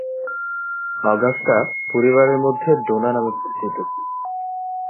Augusta পরিবারের মধ্যে "Donna" নামে পরিচিত ছিল।